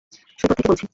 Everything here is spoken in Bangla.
সৈকত থেকে বলছি!